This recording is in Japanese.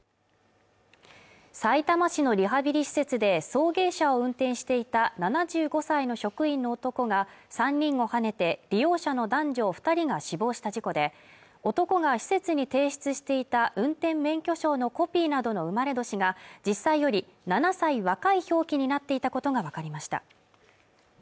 さいたま市のリハビリ施設で送迎車を運転していた７５歳の職員の男が３人をはねて利用者の男女二人が死亡した事故で男が施設に提出していた運転免許証のコピーなどの生まれ年が実際より７歳若い表記になっていたことが分かりました